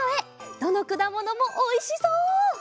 どのくだものもおいしそう！